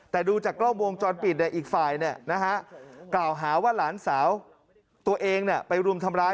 แต่ดูจากกล้องวงจรปิดอีกฝ่ายกล่าวหาว่าหลานสาวตัวเองไปรุมทำร้าย